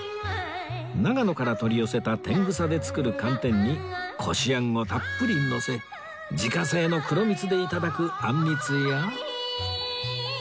長野から取り寄せた天草で作る寒天にこしあんをたっぷりのせ自家製の黒蜜で頂くあんみつや